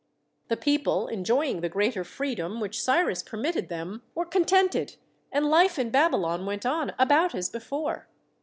The people, enjoying the greater freedom which Cyrus permitted them, were con tented, and life in Babylon went on about as be fore.